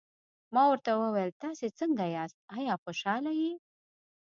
ما ورته وویل: تاسي څنګه یاست، آیا خوشحاله یې؟